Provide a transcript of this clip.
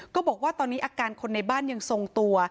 ก็บอกว่าตอนนี้อาการคนในบ้านยังทรงตัว